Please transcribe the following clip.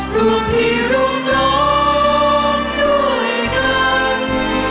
ร่วมพี่ร่วมร้องด้วยกัน